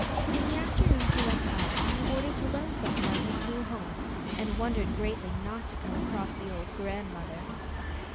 In the afternoon he went out, in order to learn something of his new home, and wondered greatly not to come across the old grandmother.